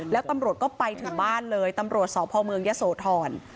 แล้วตำรวจก็ไปถึงบ้านเลยตำรวจสพเมืองยะโสธร